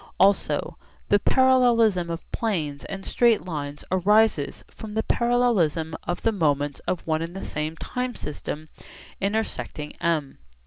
Also the parallelism of planes and straight lines arises from the parallelism of the moments of one and the same time system intersecting M.